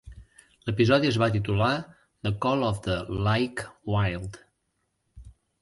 L'episodi es va titular "The Call of the, Like, Wild".